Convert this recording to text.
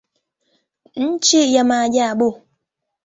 Nchi ya maajabu.